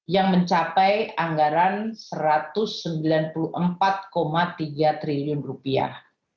yang mencapai anggaran satu ratus sembilan puluh empat tiga triliun rupiah